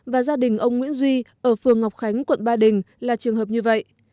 và gia đình ông nguyễn duy ở phường ngọc khánh quận ba đình là trường hợp như vậy